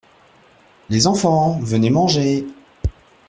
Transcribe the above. Les enfants, venez manger.